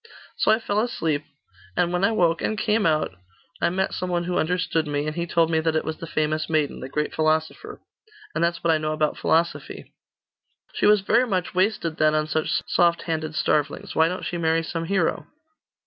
So I fell asleep; and when I woke, and came out, I met some one who understood me, and he told me that it was the famous maiden, the great philosopher. And that's what I know about philosophy.' 'She was very much wasted then, on such soft handed starvelings. Why don't she marry some hero?